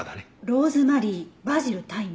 ローズマリーバジルタイム。